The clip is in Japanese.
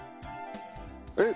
えっ？